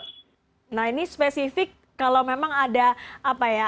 nah ini spesifik kalau memang ada apa ya